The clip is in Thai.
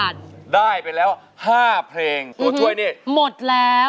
สร้างรมแม่